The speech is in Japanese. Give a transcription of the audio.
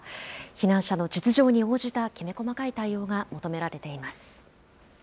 避難者の実情に応じたきめ細かい対応が求められています。